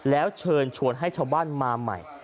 แล้วเชิญชวนให้ชาวบ้านมาใหม่